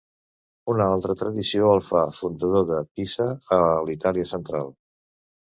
Una altra tradició el fa fundador de Pisa, a la Itàlia central.